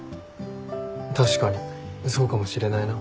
確かにそうかもしれないな。